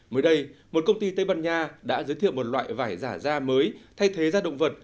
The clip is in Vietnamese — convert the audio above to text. mới đây một công ty tây ban nha đã giới thiệu một loại vải giả da mới thay thế da động vật